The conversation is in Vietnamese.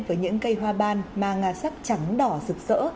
với những cây hoa ban mang sắc trắng đỏ sực sỡ